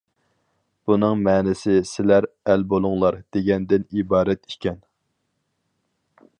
بۇنىڭ مەنىسى سىلەر ئەل بولۇڭلار دېگەندىن ئىبارەت ئىكەن.